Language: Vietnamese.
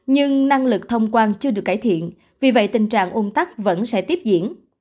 nhưng năng lực thông quan chưa được cải thiện vì vậy tình trạng ung tắc vẫn sẽ tiếp diễn